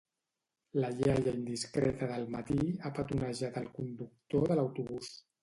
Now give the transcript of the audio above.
La iaia indiscreta del matí ha petonejat el conductor de l'autobús